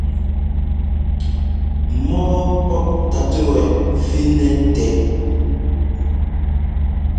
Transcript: Mɔ́ɔ pɔ́p tát wɛ fí-nɛ tɛʼ.